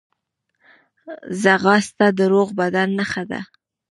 ځغاسته د روغ بدن نښه ده